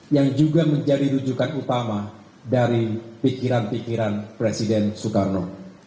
yang juga menjadi rujukan utama dari pikiran pikiran presiden soekarno